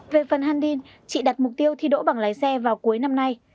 về phần handin chị đặt mục tiêu thi đỗ bằng lái xe vào cuối năm nay